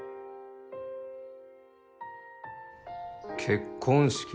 結婚式？